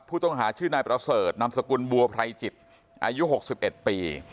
ผู้ต้องหาชื่อนายประเสริฐนามสกุลบัวไพรจิตอายุ๖๑ปี